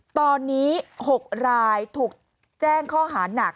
ตอนนี้๖รายถูกแจ้งข้อหานัก